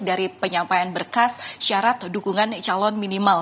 dari penyampaian berkas syarat dukungan calon minimal